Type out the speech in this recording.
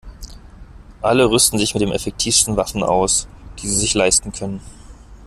Alle rüsten sich mit den effektivsten Waffen aus, die sie sich leisten können.